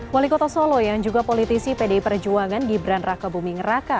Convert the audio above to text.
wali kota solo yang juga politisi pdi perjuangan gibran raka buming raka